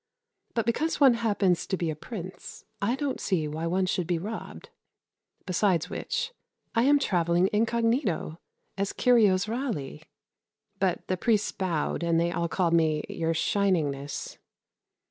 But because one happens to be a prince, I don't see why one should be robbed. Besides which. I am travelling incognito as Kyrios Ralli. But the priests bowed, and they all called me, "your Shiningness."